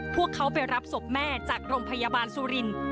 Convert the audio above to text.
พวกเขาไปรับศพแม่จากโรงพยาบาลสุรินทร์